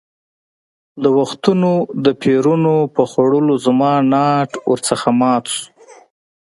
د وختونو د پېرونو په خوړلو زما ناټ ور څخه مات شو.